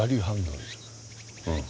うん。